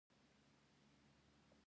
پنېر له ګرمې ډوډۍ سره خوند لري.